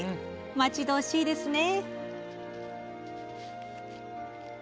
待ち遠しいですね！